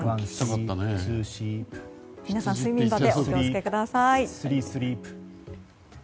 皆さん、睡眠バテお気を付けください。